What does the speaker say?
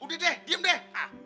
udah deh diem deh